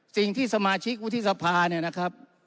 สิ่งที่สมาชิกวุฒิสภาเนี่ยนะครับ